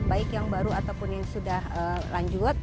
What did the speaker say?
baik yang baru ataupun yang sudah lanjut